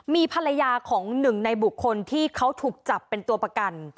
มีภรรยาของหนึ่งในบุคคลที่เขาถูกจับเป็นตัวประกัน